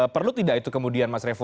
perlu tidak itu kemudian mas revo